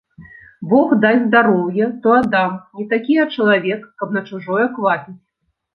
Бог дасць здароўе, то аддам, не такі я чалавек, каб на чужое квапіць.